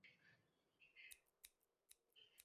蹇念益自幼随父亲在四川念书。